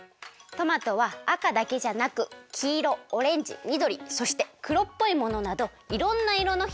トマトはあかだけじゃなくきいろオレンジみどりそしてくろっぽいものなどいろんないろの